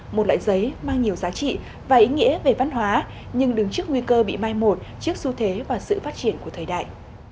một loại giấy mang nhiều giá trị và ý nghĩa về văn hóa nhưng đứng trước nguy cơ bị mai một trước xu thế và sự phát triển của thời đại